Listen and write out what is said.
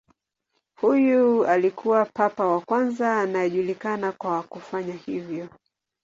Huyu alikuwa papa wa kwanza anayejulikana kwa kufanya hivyo.